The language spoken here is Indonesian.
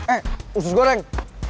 eh usus goreng